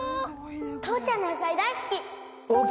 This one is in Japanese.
父ちゃんの野菜大好き！